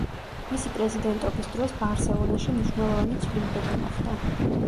მისი პრეზიდენტობის დროს „ბარსელონაში“ მნიშვნელოვანი ცვლილებები მოხდა.